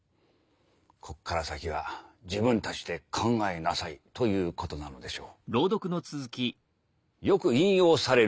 ここから先は自分たちで考えなさいということなのでしょう。